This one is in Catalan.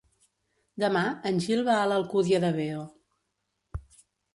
Demà en Gil va a l'Alcúdia de Veo.